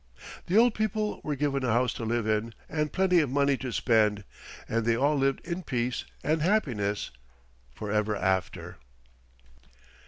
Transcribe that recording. The old people were given a house to live in and plenty of money to spend, and they all lived in peace and happiness forever after.